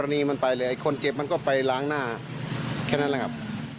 ในติชาวไปคุยกันนะครับ